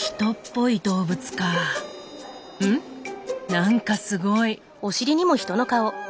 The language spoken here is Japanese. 何かすごい。